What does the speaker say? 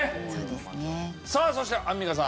さあそしてアンミカさん。